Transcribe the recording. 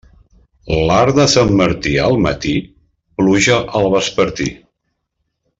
L'arc de Sant Martí al matí, pluja al vespertí.